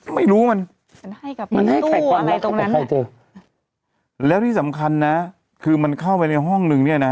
ไม่รู้มันมันให้กับตู้อะไรตรงนั้นแล้วที่สำคัญนะคือมันเข้าไปในห้องนึง